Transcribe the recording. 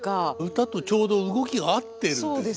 歌とちょうど動きが合ってるんですね。